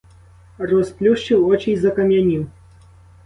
Розплющив очі й закам'янів.